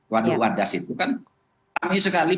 waktu wardas itu kan kami sekali